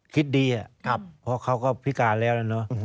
คิดดีอ่ะเพราะเขาก็พิการแล้วนะเนอะ